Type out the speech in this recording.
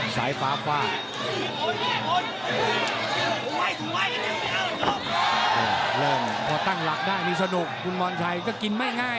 สายฟ้าฟ่า